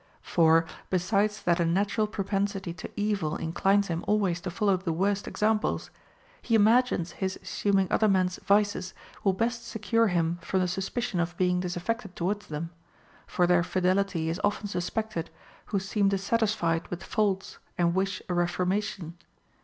For, besides that a natural propensity to evil inclines him always to follow the worst examples, he imagines his as suming other men's vices will best secure him from the suspicion of being disaffected towards them ; for their fidelity is often suspected who seem dissatisfied with faults and wish a reformation.